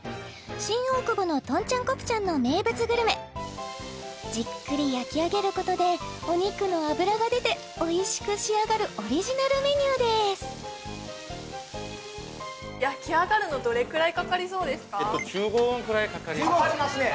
新大久保のとんちゃんコプチャンの名物グルメじっくり焼き上げることでお肉の脂が出ておいしく仕上がるオリジナルメニューですかかりますね